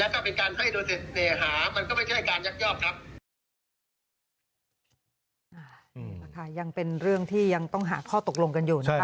ก็เป็นการให้โดนเสน่หามันก็ไม่ใช่การยักยอบครับ